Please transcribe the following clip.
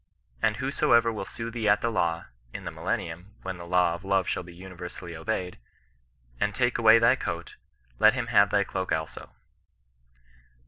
^ And whosoever will sue thee at the law" in the millennium, when the law of love shall be universally obeyed, and take away thy coat, let him have thy cloak also."